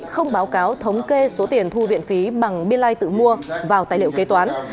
không báo cáo thống kê số tiền thu viện phí bằng biên lai tự mua vào tài liệu kế toán